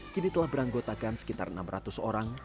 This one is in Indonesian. kini telah beranggotakan sekitar enam ratus orang